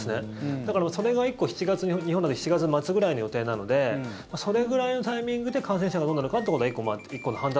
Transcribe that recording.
だから、それが１個、日本だと７月末ぐらいの予定なのでそれぐらいのタイミングで感染者がどうなるかってことは１個の判断